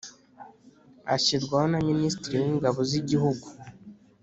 Ashyirwaho na minisitiri w ingabo z igihugu